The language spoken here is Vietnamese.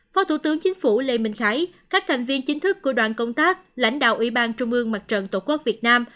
phó thủ tướng chính phủ lê minh khái các thành viên chính thức của đoàn công tác lãnh đạo ủy ban trung ương mặt trận tổ quốc việt nam